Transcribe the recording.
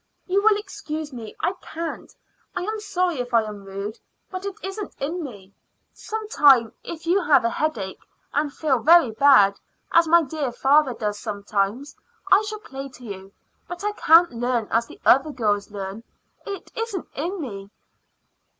You will excuse me; I can't. I am sorry if I am rude, but it isn't in me. Some time, if you have a headache and feel very bad, as my dear father does sometimes, I shall play to you; but I can't learn as the other girls learn it isn't in me."